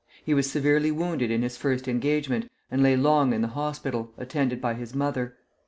He was severely wounded in his first engagement, and lay long in the hospital, attended by his mother.